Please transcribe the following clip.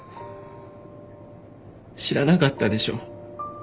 知らなかったでしょ。